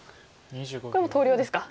これもう投了ですか。